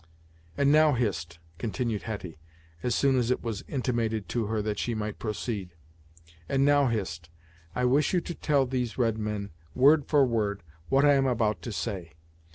"And, now, Hist," continued Hetty, as soon as it was intimated to her that she might proceed, "and, now, Hist, I wish you to tell these red men, word for word, what I am about to say.